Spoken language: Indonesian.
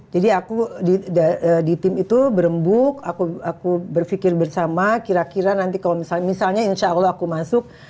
jadi aku di tim itu berembuk aku berpikir bersama kira kira nanti kalau misalnya insya allah aku masuk